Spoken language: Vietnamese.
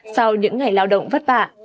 sau những ngày lao động vất vả